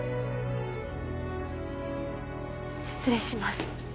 失礼します